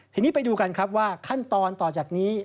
ทีนี้ไปดูกันครับว่าขั้นตอนต่อจากนี้